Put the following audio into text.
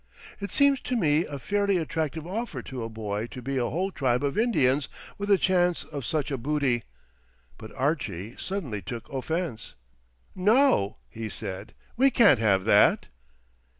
It seems to me a fairly attractive offer to a boy to be a whole tribe of Indians with a chance of such a booty. But Archie suddenly took offence. "No," he said; "we can't have that!"